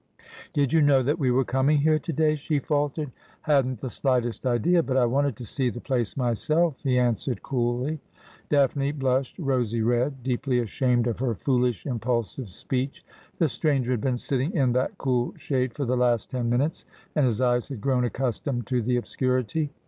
^' Did you know that we were coming here to day ?' she faltered. ' Hadn't the slightest idea ; but I wanted to see the place myself,' he answered coolly. Daphne blushed rosy red, deeply ashamed of her foolish, impulsive speech. The stranger had been sitting in that cool shade for the last ten minutes, and his eyes had grown accus tomed to the obscurity.